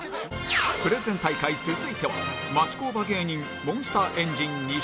プレゼン大会続いては町工場芸人モンスターエンジン西森